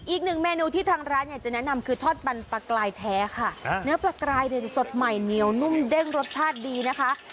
อีกหนึ่งเมนูที่ทางร้านอยากจะแนะนำคือทอดมันปลากลายแท้ค่ะเนื้อปลากรายเนี่ยจะสดใหม่เหนียวนุ่มเด้งรสชาติดีนะคะ